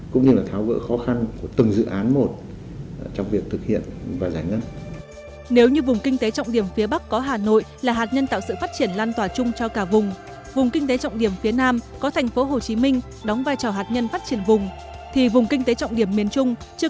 cần quyết liệt hơn nữa sốt sáng hơn nữa